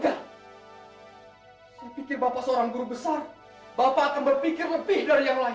kau berpikir bahwa seorang guru besar akan berpikir lebih dari yang lain